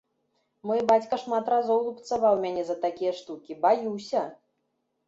Мой бацька шмат разоў лупцаваў мяне за такія штукі, баюся!